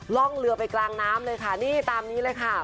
ร่องเรือไปกลางน้ำเลยค่ะนี่ตามนี้เลยค่ะ